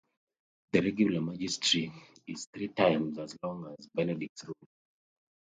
The "Regula Magistri" is three times as long as Benedict's rule.